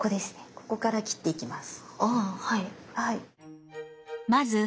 ここから切っていきます。